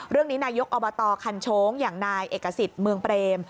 เรื่องนี้นายกอบตคันโชงอย่างนายเอกสิทธิ์เมืองเปรม